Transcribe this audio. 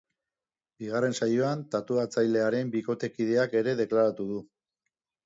Bigarren saioan tatuatzailearen bikotekideak ere deklaratu du.